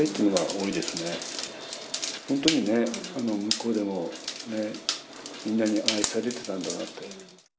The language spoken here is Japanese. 本当にね、向こうでもみんなに愛されてたんだなって。